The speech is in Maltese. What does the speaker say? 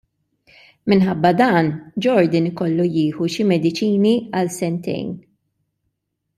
Minħabba dan, Jordan ikollu jieħu xi mediċini għal sentejn.